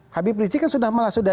habib rizie kan sudah malah